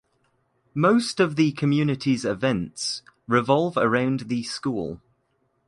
Most of the communities events revolve around the school.